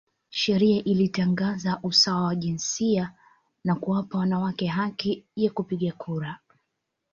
Sheria ilitangaza usawa wa jinsia na kuwapa wanawake haki ya kupiga kura.